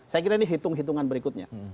saya kira ini hitung hitungan berikutnya